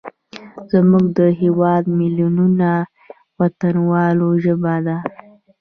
زموږ د هیواد میلیونونو وطنوالو ژبه ده.